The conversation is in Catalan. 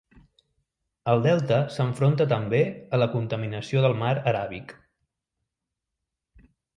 El delta s'enfronta també a la contaminació del mar Aràbic.